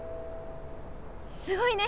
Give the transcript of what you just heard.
すごいね！